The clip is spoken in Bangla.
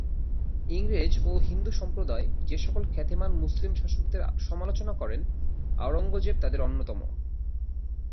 ইংরেজ ও হিন্দু সম্প্রদায় যে সকল খ্যাতিমান মুসলিম শাসকদের সমালোচনা করেন আওরঙ্গজেব তাদের অন্যতম।